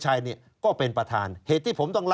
ชีวิตกระมวลวิสิทธิ์สุภาณฑ์